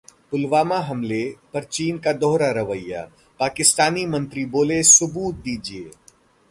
पुलवामा हमले पर चीन का दोहरा रवैया, पाकिस्तानी मंत्री बोले- सबूत दीजिए